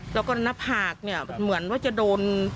แล้วก็หน้าผากเนี่ยเหมือนว่าจะโดน